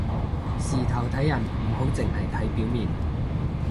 事頭睇人唔好淨係睇表面